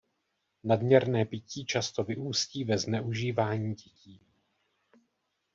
Nadměrné pití často vyústí ve zneužívání dětí.